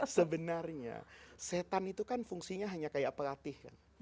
sebenarnya setan itu kan fungsinya hanya kayak pelatih kan